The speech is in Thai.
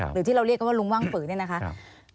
หรือที่เราเรียกกันว่าลุงว่างฝือเนี่ยนะคะ